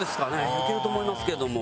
いけると思いますけども。